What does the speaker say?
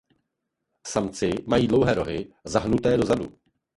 Samci mají dlouhé rohy zahnuté dozadu.